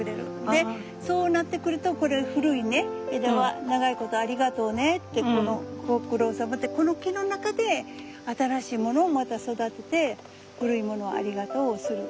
でそうなってくるとこれ古い枝は長いことありがとうねってご苦労さまってこの木の中で新しいものをまた育てて古いものをありがとうする。